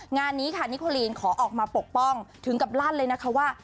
งานนี้ค่ะนิโคลีนขอออกมาปกป้องถึงกับลั่นเลยนะคะว่า